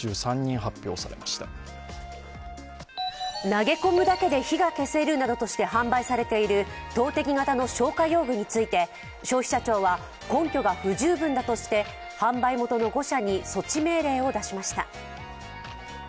投げ込むだけで火が消せるなどとした投てき型の消火用具について消費者庁は、根拠が不十分だとして、販売元の５社に措置命令をだしました。